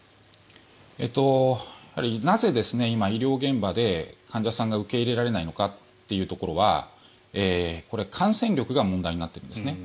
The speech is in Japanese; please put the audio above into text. なぜ、今、医療現場で患者さんが受け入れられないのかというところはこれ、感染力が問題になっているんですね。